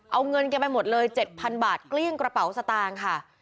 เอาเงินกันไปหมดเลย๗๐๐บาทเกลี้ยงกระเป๋าสตางค์ค่ะ